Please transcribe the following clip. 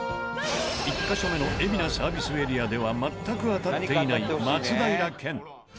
１カ所目の海老名サービスエリアでは全く当たっていない松平健。